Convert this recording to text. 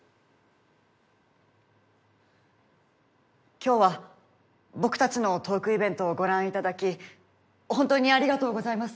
今日は僕たちのトークイベントをご覧いただき本当にありがとうございます。